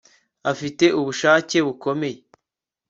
afite ubushake-bukomeye